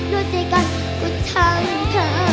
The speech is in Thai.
โดยเจอกันก็ช่างเธอ